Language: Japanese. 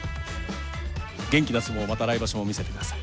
元気な相撲をまた来場所も見せて下さい。